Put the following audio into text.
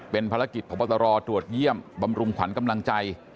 เป็นภารกิจพบตรตรวจเยี่ยมบำรุงขวัญกำลังใจ